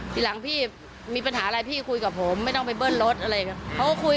ทีหลังพี่มีปัญหาอะไรพี่คุยกับผมไม่ต้องไปเบิ้ลรถอะไรอย่างนี้